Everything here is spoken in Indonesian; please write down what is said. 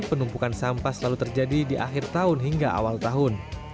penumpukan sampah selalu terjadi di akhir tahun hingga awal tahun